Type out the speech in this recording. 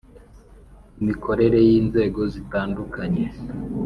Imikorere y inzego zitandukanye